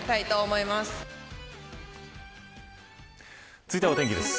続いてはお天気です。